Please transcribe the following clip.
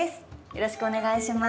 よろしくお願いします。